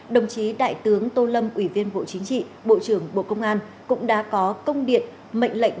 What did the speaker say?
đồng chí đại tướng tô lâm ủy viên bộ chính trị bộ trưởng bộ công an cũng đã có công điện mệnh lệnh